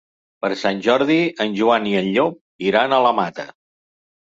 Per Sant Jordi en Joan i en Llop iran a la Mata.